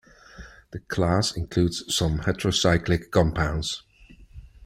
The class includes some heterocyclic compounds.